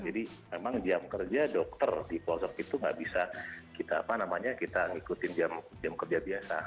jadi memang jam kerja dokter di posok itu tidak bisa kita ikutin jam kerja biasa